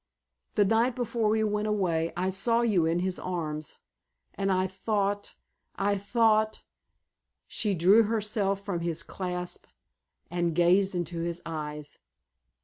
The night before we went away I saw you in his arms, and I thought—I thought——" She drew herself from his clasp and gazed into his eyes.